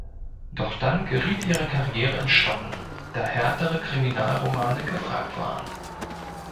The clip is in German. Doch dann geriet ihre Karriere ins Stocken, da härtere Kriminalromane gefragt waren.